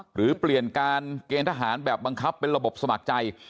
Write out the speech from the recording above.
หรือเปลี่ยนการเกณฑ์ทหารแบบบังคับเป็นระบบสมัครใจ